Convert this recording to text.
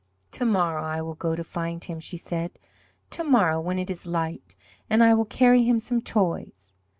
"To morrow I will go to find Him," she said; "to morrow, when it is light, and I will carry Him some toys."